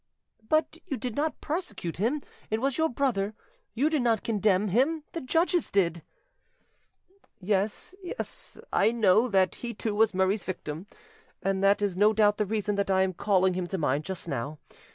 "But you did not prosecute him, it was your brother; you did not condemn him, the judges did." "Yes, yes; I know that he too was Murray's victim, and that is no doubt the reason that I am calling him to mind just now.